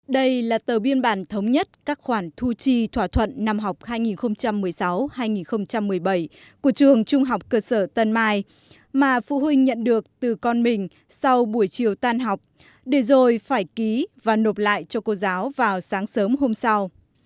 đây là tờ biên bản thống nhất các khoản thu chi thỏa thuận năm học hai nghìn một mươi sáu hai nghìn một mươi bảy của trường trung học cơ sở tân mai mà phụ huynh nhận được từ con mình sau buổi chiều tan học để rồi phải ký và nộp lại cho cô giáo vào sáng sớm hôm sau